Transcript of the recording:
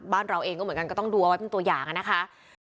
เราเองก็เหมือนกันก็ต้องดูเอาไว้เป็นตัวอย่างนะคะ